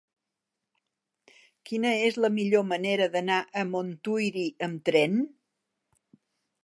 Quina és la millor manera d'anar a Montuïri amb tren?